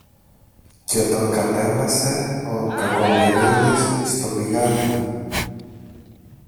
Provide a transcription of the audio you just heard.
και τον κατέβασε ο Κακομοιρίδης στο πηγάδι.